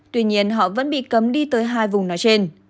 tuy nhiên họ vẫn bị cấm đi tới hai vùng nói trên